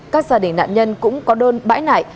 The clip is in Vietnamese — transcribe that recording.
các gia đình nạn nhân cũng có đơn bãi nại